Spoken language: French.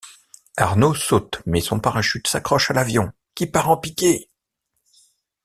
Arnaud saute mais son parachute s'accroche à l'avion qui part en piqué.